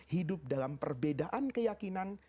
hidup dalam perbedaan keyakinan